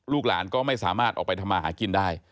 หลานก็ไม่สามารถออกไปทำมาหากินได้